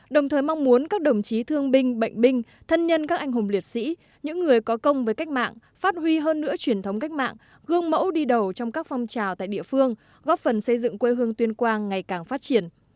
đồng thời mong muốn các đồng chí thương binh bệnh binh thân nhân các anh hùng liệt sĩ những người có công với cách mạng phát huy hơn nữa truyền thống cách mạng gương mẫu đi đầu trong các phong trào tại địa phương góp phần xây dựng quê hương tuyên quang ngày càng phát triển